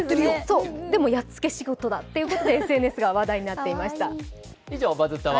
でもやっつけ仕事だということでＳＮＳで話題になっていました。